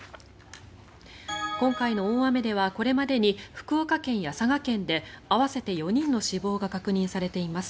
今回の大雨ではこれまでに福岡県や佐賀県で合わせて４人の死亡が確認されています。